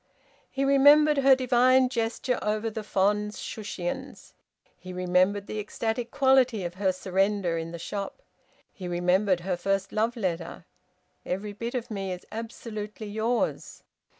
He remembered her divine gesture over the fond Shushions. He remembered the ecstatic quality of her surrender in the shop. He remembered her first love letter: "Every bit of me is absolutely yours."